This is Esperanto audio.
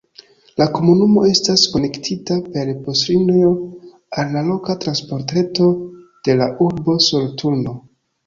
La komunumo estas konektita per buslinio al la loka transportreto de la urbo Soloturno.